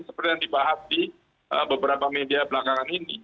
seperti yang dibahas di beberapa media belakangan ini